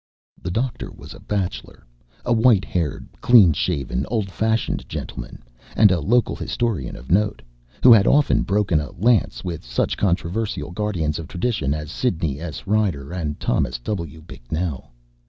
The doctor was a bachelor; a white haired, clean shaven, old fashioned gentleman, and a local historian of note, who had often broken a lance with such controversial guardians of tradition as Sidney S. Rider and Thomas W. Bicknell.